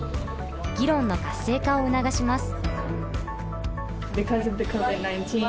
議論の活性化を促します。